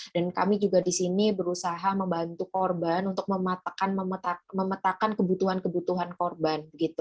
dan kami juga di sini berusaha membantu korban untuk memetakan kebutuhan kebutuhan korban